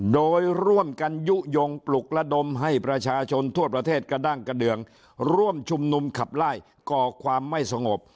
โดยร่วมกันยุโยงปลุกระดมให้ประชาชนทั่วประเทศกระด้างกระเดืองร่วมชุมนุมขับไล่ก่อความไม่สงบ